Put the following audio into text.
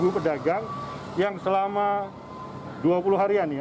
tiga pedagang yang selama dua puluh harian